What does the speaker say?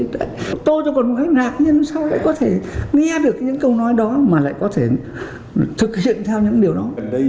tôi tôi còn nghe được những câu nói đó mà lại có thể thực hiện theo những điều đó